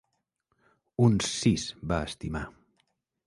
Uns sis, va estimar.